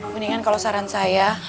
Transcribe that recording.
mendingan kalau saran saya